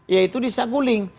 yaitu di saguling